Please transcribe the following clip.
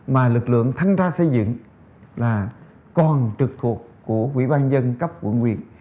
mà lực lượng thanh tra xây dựng là còn trực thuộc của quỹ ban dân cấp quận quyện